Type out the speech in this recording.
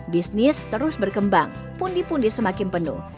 bisnis terus berkembang pundi pundi semakin penuh